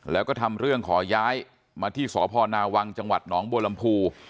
แล้วก็ทำเรื่องขอย้ายมาที่สพนาวังจังหวัดหนองบัวลำพู